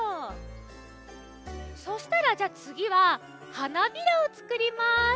そしたらじゃあつぎは花びらをつくります。